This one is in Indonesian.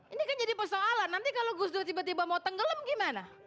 ini kan jadi persoalan nanti kalau gus dur tiba tiba mau tenggelam gimana